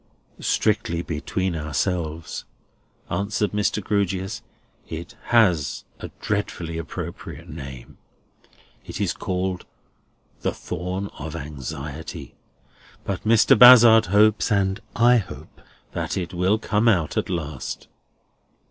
"Strictly between ourselves," answered Mr. Grewgious, "it has a dreadfully appropriate name. It is called The Thorn of Anxiety. But Mr. Bazzard hopes—and I hope—that it will come out at last."